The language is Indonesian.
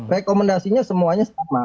rekomendasinya semuanya sama